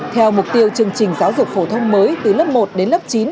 theo mục tiêu chương trình giáo dục phổ thông mới từ lớp một đến lớp chín